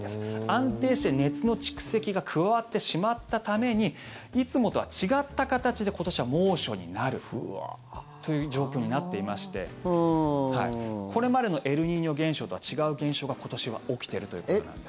安定して熱の蓄積が加わってしまったためにいつもとは違った形で今年は猛暑になるという状況になっていましてこれまでのエルニーニョ現象とは違う現象が今年は起きているということなんです。